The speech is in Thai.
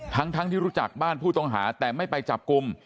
ทั้งที่รู้จักบ้านผู้ต้องหาแต่ไม่ไปจับกลุ่ม